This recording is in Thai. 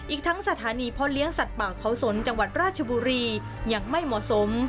อีกทั้งสถานีพ่อเลี้ยงสัตว์ป่าเขาสนจังหวัดราชบุรียังไม่เหมาะสม